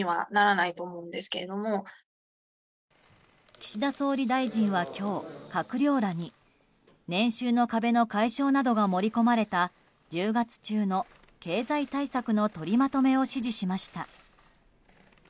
岸田総理大臣は今日、閣僚らに年収の壁の解消などが盛り込まれた１０月中の経済対策の取りまとめを指示しました。